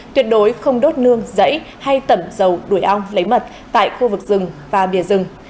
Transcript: tuyệt đối không đốt nương rẫy hay tẩm dầu đuổi ong lấy mật tại khu vực rừng và bìa rừng